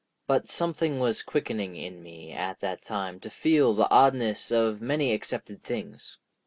But something was quickening in me at that time to feel the oddness of many accepted things.